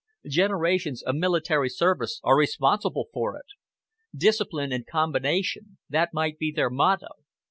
Generations of military service are responsible for it. Discipline and combination that might be their motto.